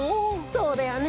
そうだよね。